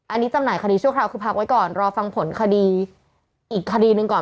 อันนี้จำหน่ายคดีชั่วคราวคือพักไว้ก่อนรอฟังผลคดีอีกคดีหนึ่งก่อน